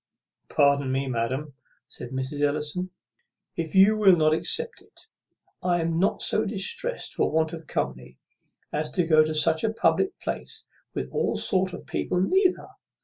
"Pardon me, madam," said Mrs. Ellison; "if you will not accept of it, I am not so distressed for want of company as to go to such a public place with all sort of people neither.